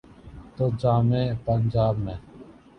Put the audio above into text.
تو جامعہ پنجاب میں۔